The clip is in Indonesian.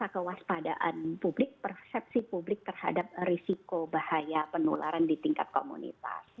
dan juga kewaspadaan publik persepsi publik terhadap risiko bahaya penularan di tingkat komunitas